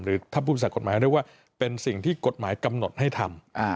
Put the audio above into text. หรือถ้าพูดใส่กลบแหลงเรียกว่าเป็นสิ่งที่กฎหมายกำหนดให้ทำ